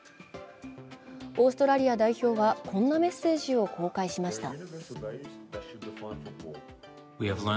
オーストラリア代表はこんなメッセージを公開しました。